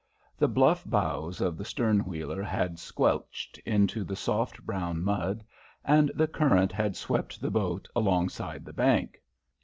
The bluff bows of the stern wheeler had squelched into the soft brown mud, and the current had swept the boat alongside the bank.